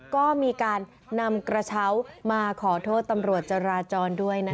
ก็มีการนำกระเช้ามาขอโทษตำรวจจราจรด้วยนะคะ